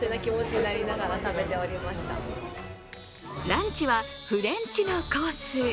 ランチはフレンチのコース。